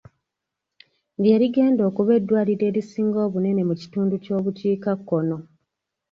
Lye ligenda okuba eddwaliro erisinga obunene mu kitundu ky'obukiikakkono.